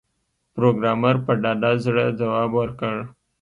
پروګرامر په ډاډه زړه ځواب ورکړ